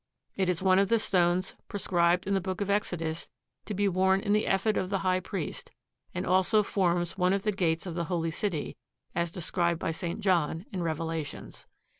It is one of the stones prescribed in the Book of Exodus to be worn in the ephod of the High Priest and also forms one of the gates of the Holy City as described by St. John in Revelations.